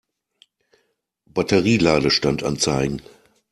Batterie-Ladestand anzeigen.